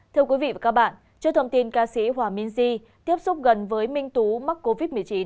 thưa quý vị và các bạn trước thông tin ca sĩ hòa minh di tiếp xúc gần với minh tú mắc covid một mươi chín